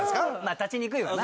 立ちにくいわな。